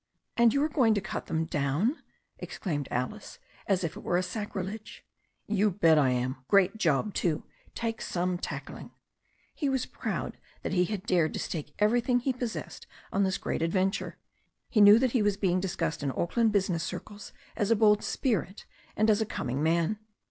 "And you are going to cut them down I" exclaimed Alice, as if it were sacrilege. "You bet I am. Great job too. Takes some tackling." He was proud that he had dared to stake everything he pos* 53 54 THE STORY OF A NEW ZEALAND RIVER sessed on this great adventure. He knew that he was being discussed in Auckland business circles as a bold spirit and as a coming man.